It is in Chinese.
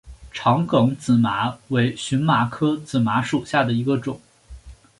长梗紫麻为荨麻科紫麻属下的一个种。